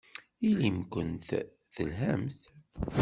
Ilimt-kent telhamt.